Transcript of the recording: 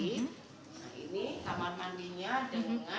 nah ini kamar mandinya dengan dilengkapi dengan kabel